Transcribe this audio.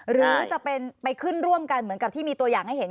หรือจะเป็นไปขึ้นร่วมกันเหมือนกับที่มีตัวอย่างให้เห็น